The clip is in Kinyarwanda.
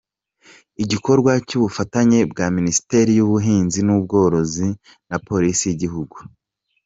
Igikorwa cy’ubufatanye bwa Minisiteri y’Ubuhinzi n’u Bworozi na Polisi y’Igihugu.